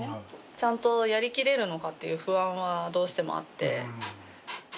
ちゃんとやり切れるのかっていう不安はどうしてもあって。